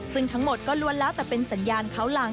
ซึ่งทั้งหมดก็ล้วนแล้วแต่เป็นสัญญาณเขาหลัง